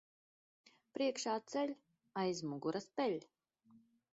Priekšā ceļ, aiz muguras peļ.